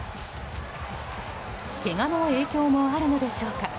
けがの影響もあるのでしょうか。